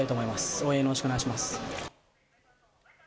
応援よろしくお願いします。